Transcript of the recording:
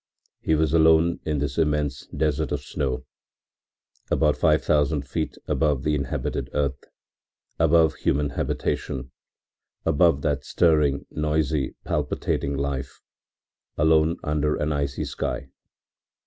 He was alone in this immense desert of Snow, alone five thousand feet above the inhabited earth, above human habitation, above that stirring, noisy, palpitating life, alone under an icy sky!